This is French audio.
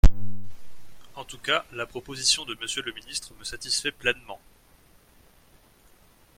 En tout cas, la proposition de Monsieur le ministre me satisfait pleinement.